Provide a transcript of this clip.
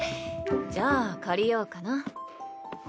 じゃあ借りようかな。